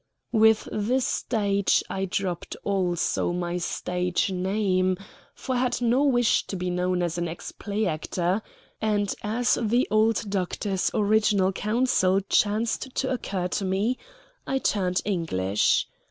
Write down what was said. With the stage I dropped also my stage name, for I had no wish to be known as an ex play actor; and as the old doctor's original counsel chanced to occur to me, I turned English.